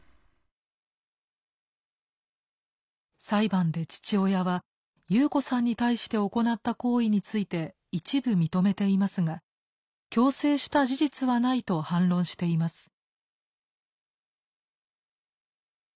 裁判で父親はユウコさんに対して行った行為について一部認めていますが「強制した事実はない」と反論しています。